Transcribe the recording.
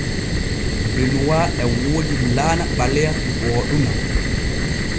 Benuwa e woodi laana ɓaleya booɗuŋa.